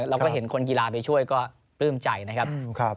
เราก็เห็นคนกีฬาไปช่วยก็ปลื้มใจนะครับ